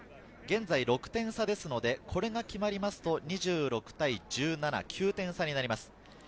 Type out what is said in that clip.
現在６点差ですので、これが決まりますと２６対１７、９点差になります。